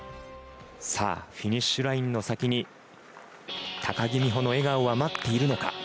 さあフィニッシュラインの先に高木美帆の笑顔は待っているのか。